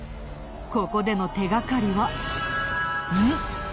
ここでの手掛かりは「ん」。